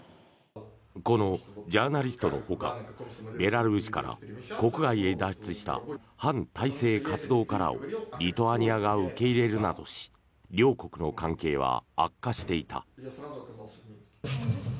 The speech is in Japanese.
このジャーナリストのほかベラルーシから国外へ脱出した反体制活動家らをリトアニアが受け入れるなどし両国の関係は悪化していた。